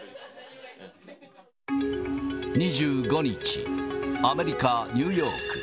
２５日、アメリカ・ニューヨーク。